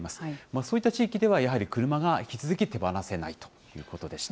そういった地域ではやはり車が引き続き手放せないということでした。